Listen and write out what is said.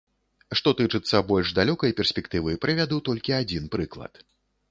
Што тычыцца больш далёкай перспектывы, прывяду толькі адзін прыклад.